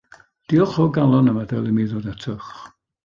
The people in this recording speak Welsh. Diolch o galon am adael i mi ddod atoch.